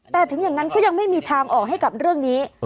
แต่ถึงอย่างนั้นก็ยังไม่มีทางออกให้กับเรื่องนี้